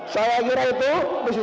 saya kira itu